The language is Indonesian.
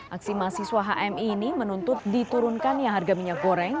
aksi mahasiswa hmi ini menuntut diturunkannya harga minyak goreng